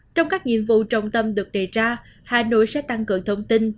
trong các nhiệm vụ trọng tâm được đề ra hà nội sẽ tăng cường thông tin